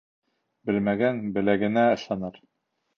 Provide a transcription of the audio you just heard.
Белмәгән беләгенә ышаныр.